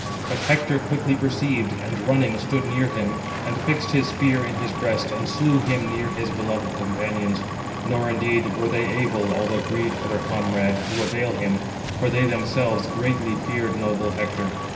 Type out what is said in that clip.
But Hector quickly perceived, and running, stood near him, and fixed his spear in his breast, and slew him near his beloved companions, nor indeed were they able, although grieved for their comrade, to avail him, for they themselves greatly feared noble Hector.